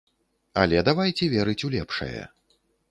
Але давайце верыць у лепшае!